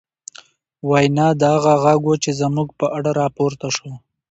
وينا، دا هغه غږ و، چې زموږ په اړه راپورته شو